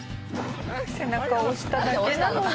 背中を押しただけなのに。